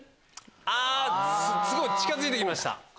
すごい近づいて来ました。